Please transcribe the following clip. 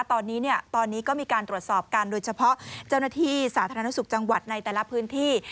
ตอนนี้เนี่ยตอนนี้ก็มีการตรวจสอบกันโดยเฉพาะเจ้าหน้าที่สาธารณสุขจังหวัดในแต่ละพื้นที่